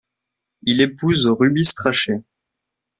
Il épouse Ruby Strachey.